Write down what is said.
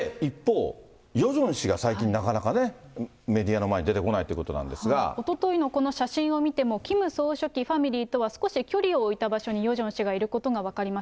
一方、ヨジョン氏が最近なかなかね、メディアの前に出てこなおとといのこの写真を見ても、キム総書記ファミリーとは少し距離を置いた場所にヨジョン氏がいることが分かります。